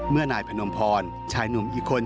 เมื่อไหว้คนไหนผนมพรชายหนุ่มอีกคน